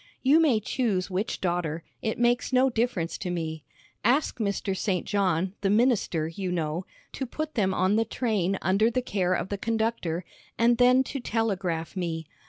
You may choose which daughter; it makes no difference to me. Ask Mr. St. John, the minister, you know, to put them on the train under the care of the conductor, and then to telegraph me.